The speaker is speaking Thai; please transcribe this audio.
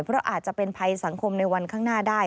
เพราะอาจจะเป็นภัยสังคมในวันข้างหน้าได้